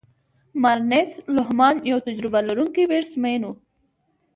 مارنس لوهمان یو تجربه لرونکی بیټسمېن وو.